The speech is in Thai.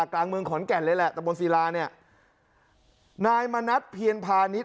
กลางเมืองขอนแก่นเลยแหละตะบนศิลาเนี่ยนายมณัฐเพียรพาณิชย